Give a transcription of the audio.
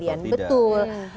bawah tidak atau tidak